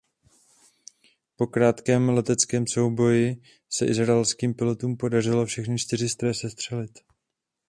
Po krátkém leteckém souboji se izraelským pilotům podařilo všechny čtyři stroje sestřelit.